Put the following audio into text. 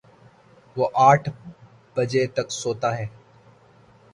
وہ آٹھ بجے تک سوتا ہے